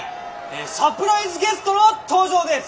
サプライズゲストの登場です！